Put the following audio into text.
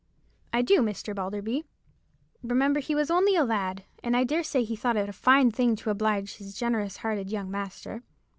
"I do, Mr. Balderby. Remember he was only a lad, and I dare say he thought it a fine thing to oblige his generous hearted young master.